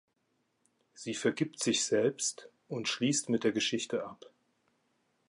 Sie „vergibt sich selbst“ und schließt mit der Geschichte ab.